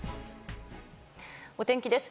お天気です。